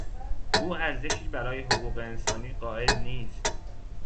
او ارزشی برای حقوق انسانی قائل نیست.